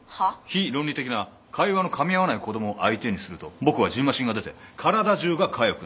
非論理的な会話のかみ合わない子供を相手にすると僕はじんましんが出て体中がかゆくなる。